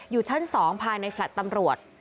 อยู่ชั้น๒ภายในแฟลต์ตำรวจ